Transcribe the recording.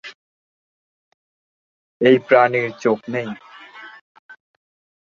এই প্রাণীর চোখ নেই।